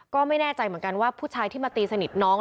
ก็ไม่แน่ใจเหมือนกันว่าผู้ชายที่มาตีสนิทน้อง